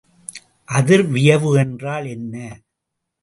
அதிர்வியைவு என்றால் என்ன?